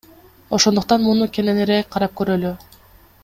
Ошондуктан муну кененирээк карап көрөлү.